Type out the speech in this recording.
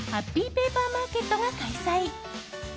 ペーパーマーケットが開催。